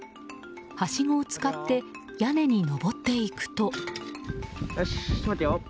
はしごを使って屋根に上っていくと。